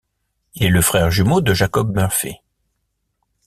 Il est le frère jumeau de Jacob Murphy.